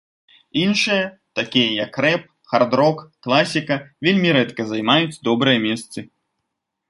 Іншыя, такія як рэп, хард-рок, класіка вельмі рэдка займаюць добрыя месцы.